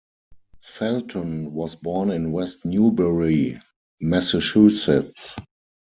Felton was born in West Newbury, Massachusetts.